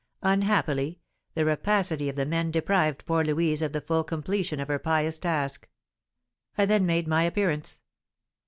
Unhappily, the rapacity of the men deprived poor Louise of the full completion of her pious task. I then made my appearance.